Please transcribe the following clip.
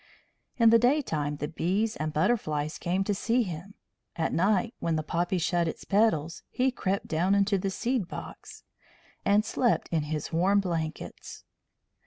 In the day time the bees and butterflies came to see him; at night, when the poppy shut its petals, he crept down into the seed box and slept in his warm blankets.